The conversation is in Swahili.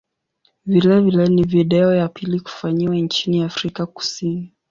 Vilevile ni video ya pili kufanyiwa nchini Afrika Kusini.